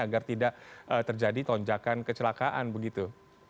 agar tidak terjadi tonjakan kecelakaan begitu